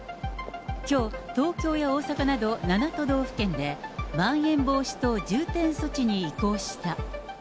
きょう、東京や大阪など、７都道府県で、まん延防止等重点措置に移行した。